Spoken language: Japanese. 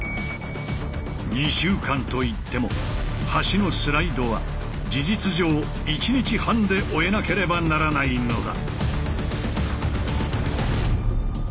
２週間といっても橋のスライドは事実上１日半で終えなければならないのだ！